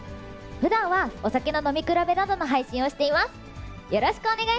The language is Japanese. ふだんはお酒の飲み比べなどの配信をしています。